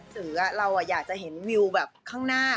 เพราะเราอยากเห็นช่วงข้างหน้า